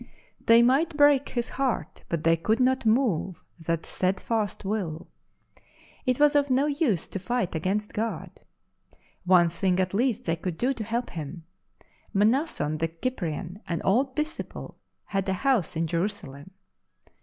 They might break his heart, but they could not move that steadfast will. It was of no use to fight against God. One thing at least they could do to help him. Mnason, the Cyprian, an old disciple, had a house in Jerusalem.